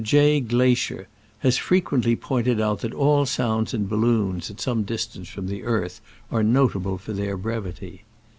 J. Glaisher has frequently pointed out that all sounds in balloons at some distance from the earth are notable for their brevity.